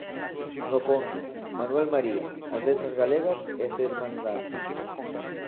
No fondo: Manuel María, as Letras Galegas e as Irmandades.